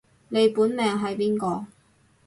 你本命係邊個